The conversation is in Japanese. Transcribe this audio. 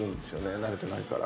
慣れてないから。